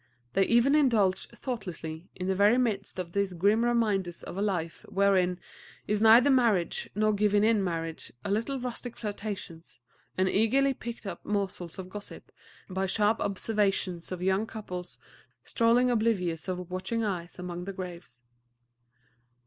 They even indulged thoughtlessly, in the very midst of these grim reminders of a life wherein is neither marriage nor giving in marriage, in little rustic flirtations, and eagerly picked up morsels of gossip by sharp observation of young couples strolling oblivious of watching eyes among the graves.